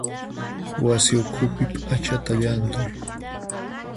Wasi ukhupi p'achata llanthuy.